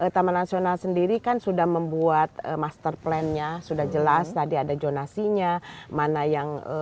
taman nasional sendiri kan sudah membuat master plan nya sudah jelas tadi ada jonasinya mana yang